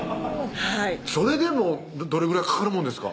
それでもどれぐらいかかるもんですか？